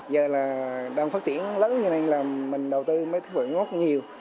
giờ đang phát triển lớn như thế này là mình đầu tư mấy thứ vợi ngốt nhiều